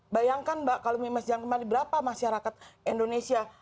bayangkan mbak kalau mimes jalan kembali berapa masyarakat indonesia